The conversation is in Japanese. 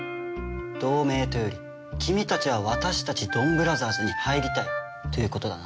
同盟というより君たちは私たちドンブラザーズに入りたいということだな？